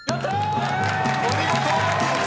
［お見事！］